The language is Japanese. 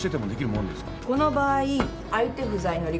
この場合相手不在の離婚裁判。